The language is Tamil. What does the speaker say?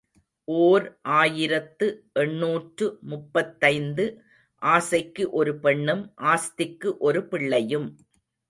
ஓர் ஆயிரத்து எண்ணூற்று முப்பத்தைந்து ஆசைக்கு ஒரு பெண்ணும் ஆஸ்திக்கு ஒரு பிள்ளையும்.